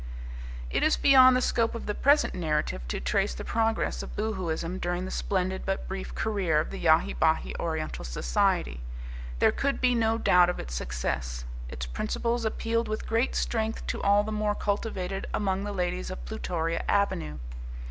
It is beyond the scope of the present narrative to trace the progress of Boohooism during the splendid but brief career of the Yahi Bahi Oriental Society. There could be no doubt of its success. Its principles appealed with great strength to all the more cultivated among the ladies of Plutoria Avenue.